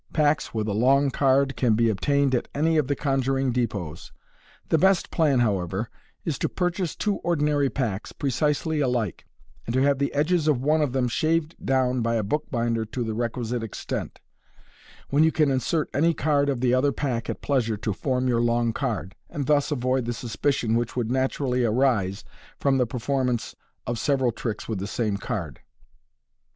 Packs with a long card can be obtained at any of the con juring depots. The best plan, however, is to purchase two ordinary packs, precisely alike, and to have the edges of one of them shaved down by a bookbinder to the requisite extent, when you can insert any card of the other pack at pleasure to form your long card, and thus avoid the suspicion which would naturally arise from the performance of several tricks with the same card.